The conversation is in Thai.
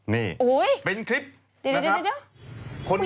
นี่เป็นคลิปนะครับ